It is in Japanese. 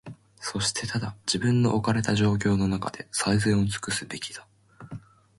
そしてただ、自分の置かれた状況のなかで、最善をつくすべきだ。